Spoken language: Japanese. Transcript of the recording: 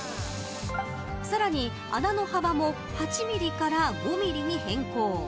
さらに穴の幅も８ミリから５ミリに変更。